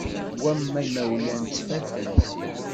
Wamma imawlan ttfaten.